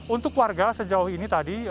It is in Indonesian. untuk warga sejauh ini tadi